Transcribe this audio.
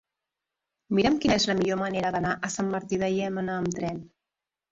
Mira'm quina és la millor manera d'anar a Sant Martí de Llémena amb tren.